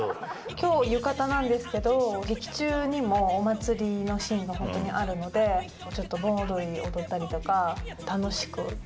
きょう、浴衣なんですけど、劇中にもお祭りのシーンが本当にあるので、ちょっと盆踊り踊った